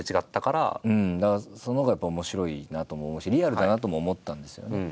だからそのほうがやっぱ面白いなとも思うしリアルだなとも思ったんですよね。